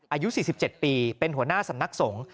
อายุ๔๗ปีเป็นหัวหน้าสำนักสงฆ์